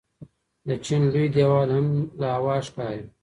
د چین لوی دیوال هم له هوا ښکاري.